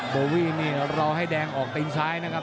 โบวี่นี่รอให้แดงออกตีนซ้ายนะครับ